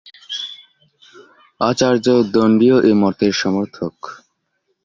আচার্য দন্ডীও এ মতের সমর্থক।